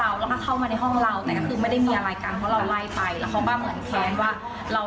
แล้วก็ส่งคำความไปเพื่อเหมือนจะแกล้งเรา